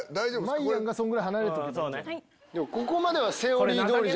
まいやんがそんぐらい離れとけば。